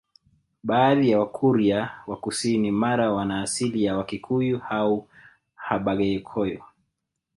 Baadhi ya Wakurya wa kusini Mara wana asili ya Wakikuyu au Abhaghekoyo